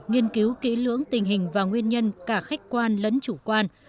nghiên cứu kỹ lưỡng tình hình và nguyên nhân cả khách quan lẫn chủ quan